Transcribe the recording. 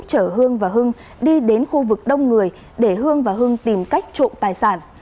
trở hương và hương đi đến khu vực đông người để hương và hương tìm cách trộm tài sản